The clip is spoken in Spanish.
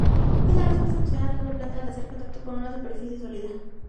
Es la respuesta emocional de una planta al hacer contacto con una superficie sólida.